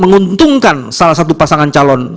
menguntungkan salah satu pasangan calon